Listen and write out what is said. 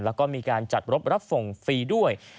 แล้วก็มีการจัดรถรับส่งฟรีด้วย